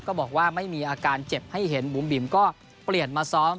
บอกว่าไม่มีอาการเจ็บให้เห็นบุ๋มบิ๋มก็เปลี่ยนมาซ้อม